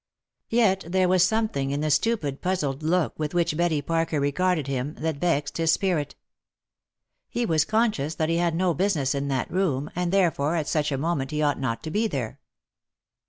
Yet there was something in the stupid puzzled look with which Betty Parker regarded him, that vexed his spirit. He was conscious that he had no business in that room, and therefore at such a moment he ought not to be there.